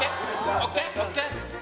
ＯＫＯＫ？